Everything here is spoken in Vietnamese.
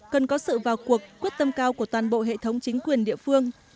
cần có sự vào cuộc quyết tâm cao của toàn bộ hệ thống chính quyền địa phương